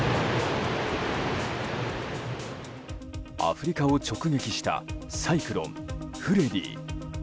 アフリカを直撃したサイクロンフレディ。